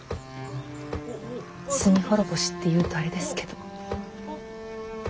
罪滅ぼしって言うとあれですけど。